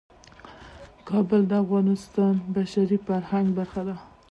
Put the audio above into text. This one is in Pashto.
کابل د افغانستان د بشري فرهنګ برخه ده.